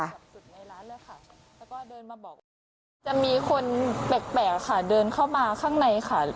แล้วก็เดินมาบอกจะมีคนแปลกแปลกค่ะเดินเข้ามาข้างในค่ะ